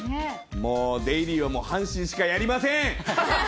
もうデイリーも阪神しかやりません。